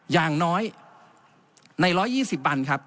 อย่างน้อยใน๑๒๐วันครับ